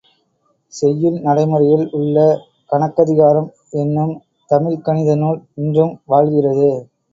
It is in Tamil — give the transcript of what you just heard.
செய்யுள் நடைமுறையில் உள்ள கணக்கதிகாரம் என்னும் தமிழ்க் கணித நூல் இன்றும் வாழ்கிறது.